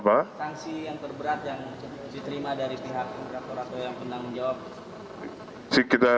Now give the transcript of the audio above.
sanksi yang terberat yang diterima dari pihak raktor raktor yang pernah menjawab